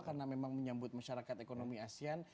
karena memang menyambut masyarakat ekonomi asean